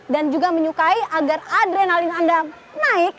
dan juga menyukai agar adrenalin anda naik